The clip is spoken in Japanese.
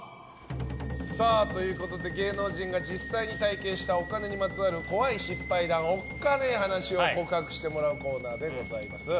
芸能人が実際に体験したお金にまつわる怖い失敗談おっカネ話を告白してもらうコーナーでございます。